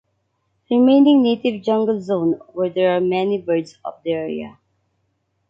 Remaining native jungle zone where there are many birds of the area.